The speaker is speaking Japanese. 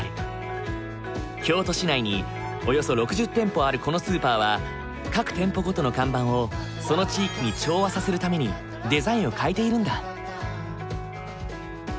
京都市内におよそ６０店舗あるこのスーパーは各店舗ごとの看板をその地域に調和させるためにデザインを変えているんだ。